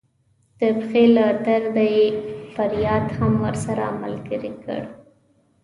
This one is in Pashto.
د پښې له درده یې فریاد هم ورسره ملګری کړ.